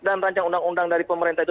dan rancang undang undang dari pemerintah itu